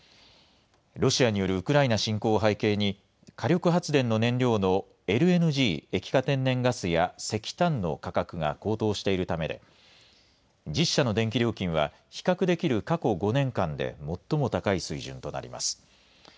ロシアによるウクライナ侵攻を背景に、火力発電の燃料のＬＮＧ・液化天然ガスや石炭の価格が高騰しているためで、１０社の電気料金は、比較できる過去５年間で最も高い水準となります。